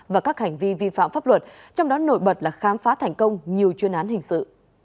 và các hành vi vi phạm pháp luật trong đó nổi bật là khám phá thành công nhiều chuyên án hình sự